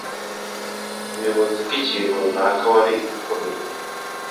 ubuyobozi bw’ikintu runaka wari ukomeyemo.